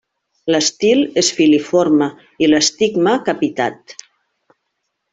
L'estil és filiforme i l'estigma capitat.